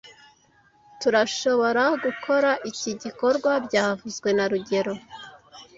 Tturashoboragukora iki gikorwa byavuzwe na rugero